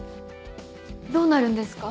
どうなるんですか？